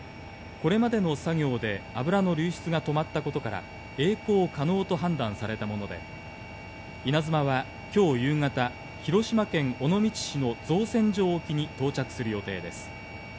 これまでの作業で油の流出が止まったことから、えい航可能と判断されたもので、「いなづま」は今日夕方、広島県尾道市の造船所を沖に到着する予定です。